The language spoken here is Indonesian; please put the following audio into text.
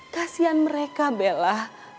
kasian mereka bella